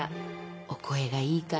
お声がいいから。